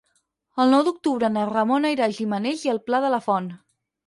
El nou d'octubre na Ramona irà a Gimenells i el Pla de la Font.